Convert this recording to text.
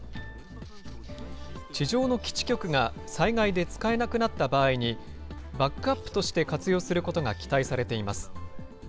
地上の基地局が災害で使えなくなった場合に、バックアップとして活用することが期待されています。